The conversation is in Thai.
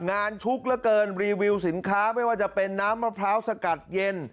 ชุกเหลือเกินรีวิวสินค้าไม่ว่าจะเป็นน้ำมะพร้าวสกัดเย็น